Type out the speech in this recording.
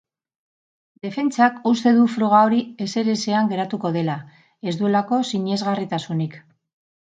Defentsak uste du froga hori ezerezean geratuko dela, ez duelako sinesgarritasunik.